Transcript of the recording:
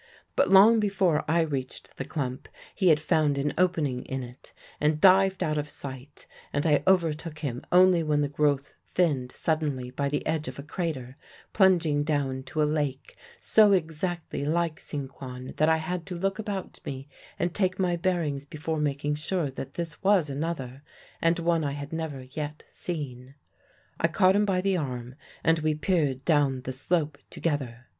But long before I reached the clump he had found an opening in it and dived out of sight, and I overtook him only when the growth thinned suddenly by the edge of a crater, plunging down to a lake so exactly like Sinquan that I had to look about me and take my bearings before making sure that this was another, and one I had never yet seen. "I caught him by the arm, and we peered down the slope together.